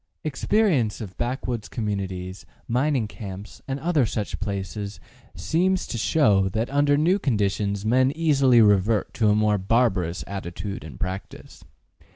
Experience of backwoods communities, mining camps and other such places seems to show that under new conditions men easily revert to a more barbarous attitude and practice.